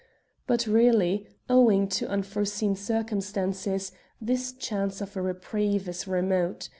But really, owing to unforeseen circumstances, this chance of a reprieve is remote.